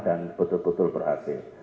dan betul betul berhasil